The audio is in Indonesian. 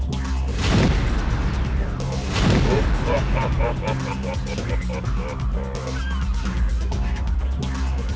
boleh saja asal dora dan teman temannya dikasihkan sama mbah